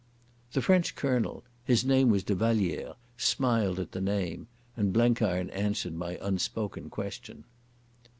The French Colonel—his name was de Vallière—smiled at the name, and Blenkiron answered my unspoken question.